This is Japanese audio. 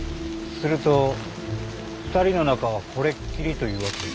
すると二人の仲はこれっきりというわけ？